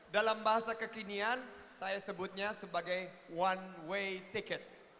dalam bahasa kekinian saya sebutnya sebagai one way ticket